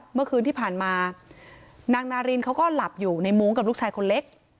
เมื่อคืนที่ผ่านมานางนารินเขาก็หลับอยู่ในมุ้งกับลูกชายคนเล็ก